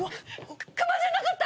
熊じゃなかった！